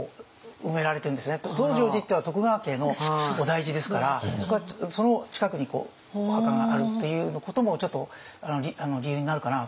増上寺っていうのは徳川家の菩提寺ですからその近くにお墓があるっていうこともちょっと理由になるかなというふうに思うんですけど。